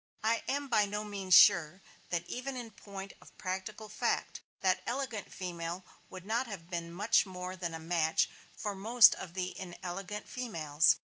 I am by no means sure that even in point of practical fact that elegant female would not have been more than a match for most of the inelegant females.